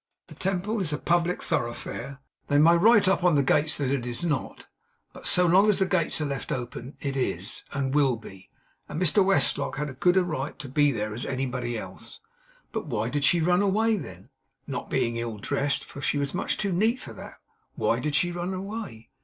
The Temple is a public thoroughfare; they may write up on the gates that it is not, but so long as the gates are left open it is, and will be; and Mr Westlock had as good a right to be there as anybody else. But why did she run away, then? Not being ill dressed, for she was much too neat for that, why did she run away?